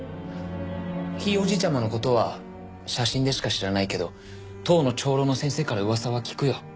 ひいおじいちゃまの事は写真でしか知らないけど党の長老の先生から噂は聞くよ。